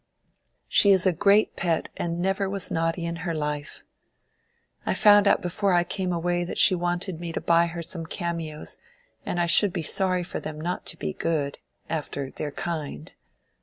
She is a great pet and never was naughty in her life. I found out before I came away that she wanted me to buy her some cameos, and I should be sorry for them not to be good—after their kind."